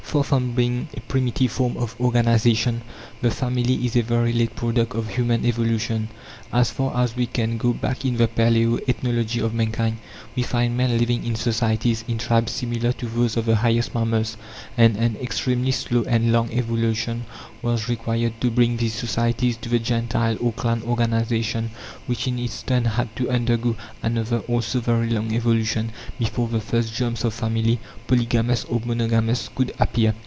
Far from being a primitive form of organization, the family is a very late product of human evolution. As far as we can go back in the palaeo ethnology of mankind, we find men living in societies in tribes similar to those of the highest mammals; and an extremely slow and long evolution was required to bring these societies to the gentile, or clan organization, which, in its turn, had to undergo another, also very long evolution, before the first germs of family, polygamous or monogamous, could appear.